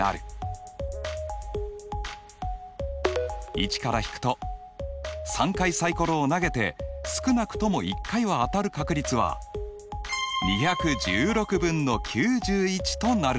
１から引くと３回サイコロを投げて少なくとも１回は当たる確率はさあ